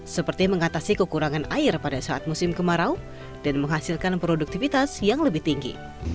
seperti mengatasi kekurangan air pada saat musim kemarau dan menghasilkan produktivitas yang lebih tinggi